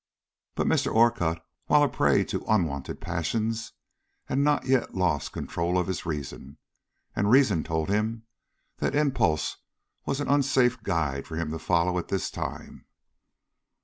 But Mr. Orcutt, while a prey to unwonted passions, had not yet lost control of his reason, and reason told him that impulse was an unsafe guide for him to follow at this time.